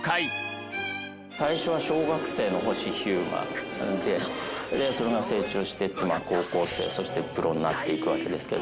最初は小学生の星飛雄馬でそれが成長していって高校生そしてプロになっていくわけですけど。